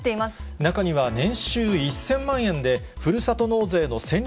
中には、年収１０００万円で、ふるさと納税の戦略